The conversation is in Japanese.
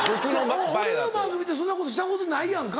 俺の番組でそんなことしたことないやんか。